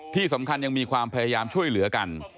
ที่สำคัญยังมีความพยายามช่วยเหลือกัน